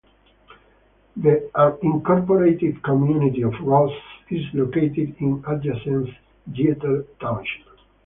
The unincorporated community of Ross is located in adjacent Dieter Township.